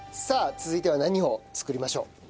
さあ続いては何を作りましょう？